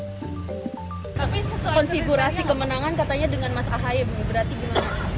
tapi konfigurasi kemenangan katanya dengan mas ahaye berarti gimana